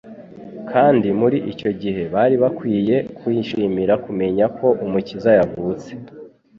Kandi muri icyo gihe bari bakwiriye kwishimira kumenya ko Umukiza yazutse !